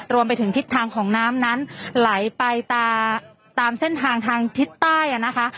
รวมไปถึงทิศทางของน้ำนั้นไหลไปตามเส้นทางทางทิศใต้นะคะ